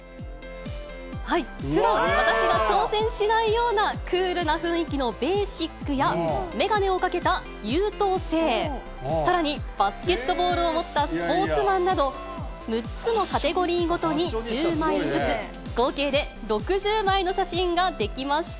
ふだん私が挑戦しないようなクールな雰囲気のベーシックや、眼鏡をかけた優等生、さらにバスケットボールを持ったスポーツマンなど、６つのカテゴリーごとに１０枚ずつ、合計で６０枚の写真が出来ました。